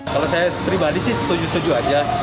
kalau saya pribadi sih setuju setuju aja